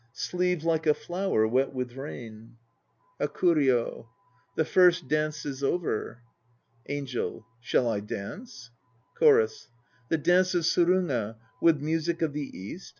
Sleeve like a flower wet with rain ... HAKURYO. The first dance is over. ANGEL. Shall I dance? CHORUS. The dance of Suruga, with music of the East?